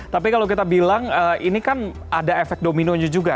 tapi kalau kita bilang ini kan ada efek dominonya juga